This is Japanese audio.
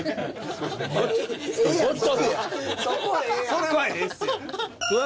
それはええっすやん。